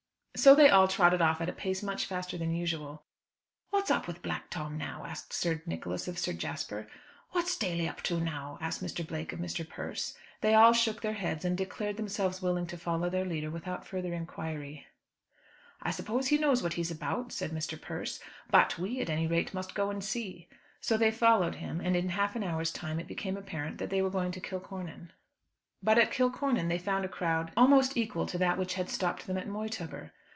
So they all trotted off at a pace much faster than usual. "What's up with Black Tom now?" asked Sir Nicholas of Sir Jasper. "What's Daly up to now?" asked Mr. Blake of Mr. Persse. They all shook their heads, and declared themselves willing to follow their leader without further inquiry. "I suppose he knows what he's about," said Mr. Persse; "but we, at any rate, must go and see." So they followed him; and in half an hour's time it became apparent that they were going to Kilcornan. But at Kilcornan they found a crowd almost equal to that which had stopped them at Moytubber.